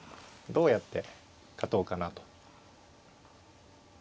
どうやって勝とうかなと。